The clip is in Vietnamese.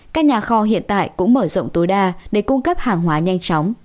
các nhà kho hiện tại cũng mở rộng tối đa để cung cấp hàng hóa nhanh chóng